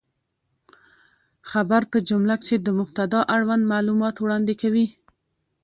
خبر په جمله کښي د مبتداء اړوند معلومات وړاندي کوي.